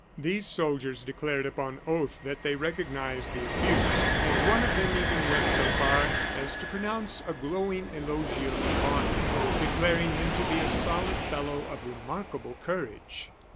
These soldiers declared upon oath that they recognized the accused; and one of them even went so far as to pronounce a glowing eulogium upon him, declaring him to be a solid fellow, of remarkable courage.